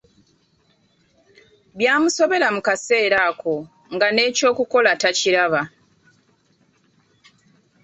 Byamusobera Mu kaseera ako nga n'ekyokukola takiraba.